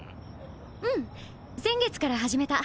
うん先月から始めた。